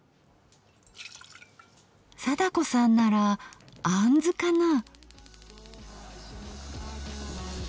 貞子さんならあんずかな？